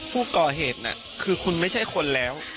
ผู้ก่อเหตุน่ะคือคุณไม่ใช่คนแล้ว